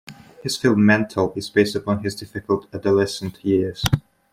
His film "Mental" is based upon his difficult adolescent years.